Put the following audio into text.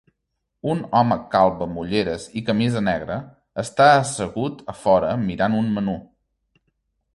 Un home calb amb ulleres i camisa negra està assegut a fora mirant un menú.